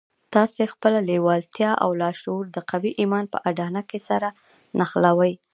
تاسې خپله لېوالتیا او لاشعور د قوي ايمان په اډانه کې سره نښلوئ.